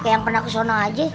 yang pernah kesana aja